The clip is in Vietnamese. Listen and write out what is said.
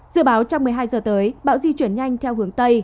dự báo trong một mươi hai giờ tới bão di chuyển nhanh theo hướng tây